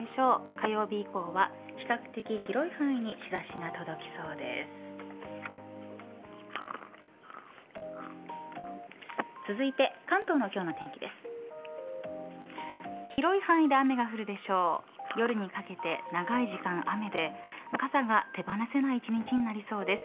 火曜日以降は比較的、広い範囲に日差しが届きそうです。